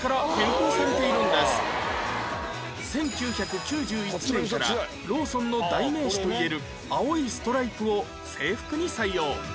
１９９１年からローソンの代名詞といえる青いストライプを制服に採用